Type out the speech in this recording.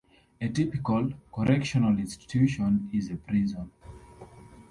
A typical "correctional institution" is a prison.